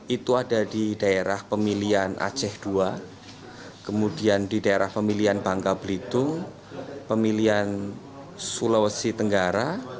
itu ada di daerah pemilihan aceh ii kemudian di daerah pemilihan bangka belitung pemilihan sulawesi tenggara